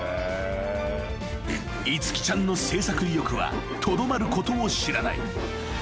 ［樹ちゃんの制作意欲はとどまることを知らない］